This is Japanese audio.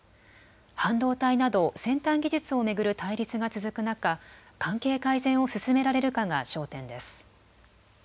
半導体など先端技術を巡る対立が続く中、関係改善を進められるかが焦点です。